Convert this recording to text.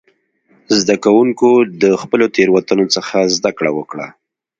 زده کوونکو د خپلو تېروتنو څخه زده کړه وکړه.